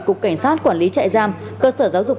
cục cảnh sát quản lý trại giam cơ sở giáo dục